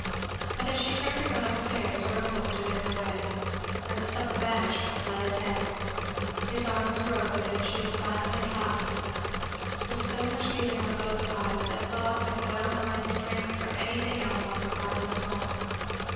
But as she turned to run up stairs, her uncle stood in her way, and the supper vanished from Fleda's head. His arms were open and she was silently clasped in them, with so much feeling on both sides that thought and well nigh strength for anything else on her part was gone.